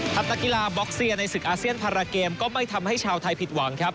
นักกีฬาบ็อกเซียในศึกอาเซียนพาราเกมก็ไม่ทำให้ชาวไทยผิดหวังครับ